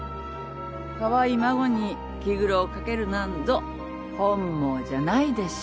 カワイイ孫に気苦労かけるなんぞ本望じゃないでしょ。